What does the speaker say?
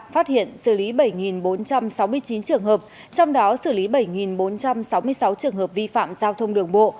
phát hiện xử lý bảy bốn trăm sáu mươi chín trường hợp trong đó xử lý bảy bốn trăm sáu mươi sáu trường hợp vi phạm giao thông đường bộ